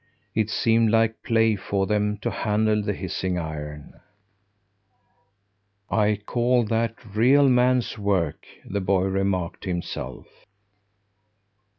It seemed like play for them to handle the hissing iron. "I call that real man's work!" the boy remarked to himself.